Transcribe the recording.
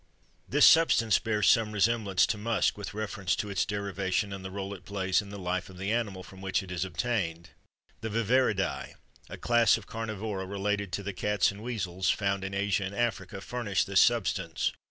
This substance bears some resemblance to musk with reference to its derivation and the rôle it plays in the life of the animal from which it is obtained. The Viverridæ, a class of carnivora related to the cats and weasels, found in Asia and Africa, furnish this substance.